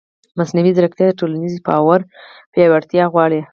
مصنوعي ځیرکتیا د ټولنیز باور پیاوړتیا غواړي.